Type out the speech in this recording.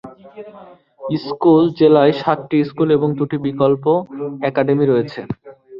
School জেলায় সাতটি school এবং দুটি বিকল্প একাডেমি রয়েছে।